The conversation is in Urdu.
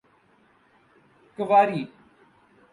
کنوری